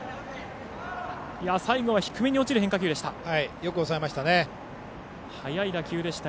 最後は低めに落ちる変化球でした。